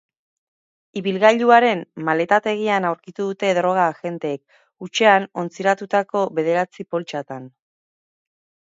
Ibilgailuaren maletategian aurkitu dute droga agenteek, hutsean ontziratutako bederatzi poltsatan.